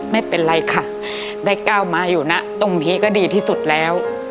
ไม่เป็นไรค่ะได้ก้าวมาอยู่นะตรงนี้ก็ดีที่สุดแล้ว